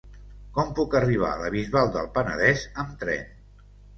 Com puc arribar a la Bisbal del Penedès amb tren?